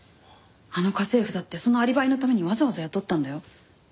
あの家政婦だってそのアリバイのためにわざわざ雇ったんだよ。